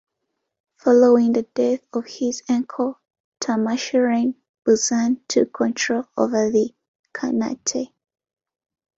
Following the death of his uncle Tarmashirin, Buzan took control of the khanate.